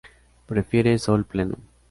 Prefiere sol pleno.